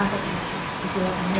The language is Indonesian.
jadi saya juga